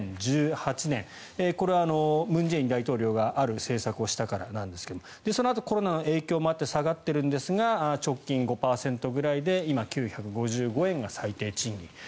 ２０１８年これは文在寅大統領がある政策をしたからですがそのあとコロナの影響もあって下がってるんですが直近５％ぐらいで今、９５５円が最低賃金。